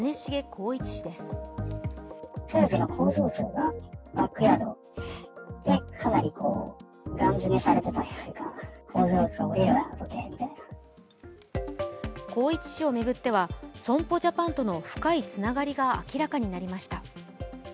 宏一氏を巡っては損保ジャパンとの深いつながりが明らかになりました。